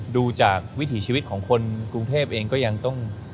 ดูจากวิถีชีวิตของคนกรุงเทพเองก็ยังต้อง